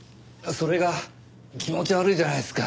それが気持ち悪いじゃないですか。